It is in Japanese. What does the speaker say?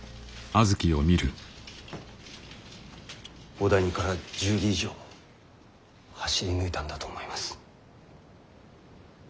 小谷から１０里以上走り抜いたんだと思います。